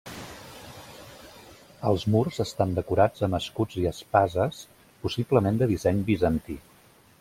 Els murs estan decorats amb escuts i espases, possiblement de disseny bizantí.